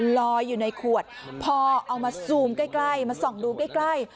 ลอยอยู่ในขวดพอเอามาซูมใกล้มาส่องดูใกล้